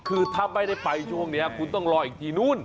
คือถ้าไม่ได้ไปช่วงนี้คุณต้องรออีกทีนู้น